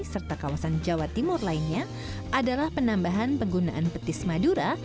serta kawasan jawa timur lainnya adalah penambahan penggunaan petis madura